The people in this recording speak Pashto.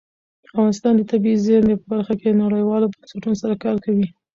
افغانستان د طبیعي زیرمې په برخه کې نړیوالو بنسټونو سره کار کوي.